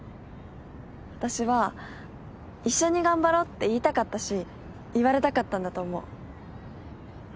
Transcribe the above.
私は一緒に頑張ろうって言いたかったし言われたかったんだと思う。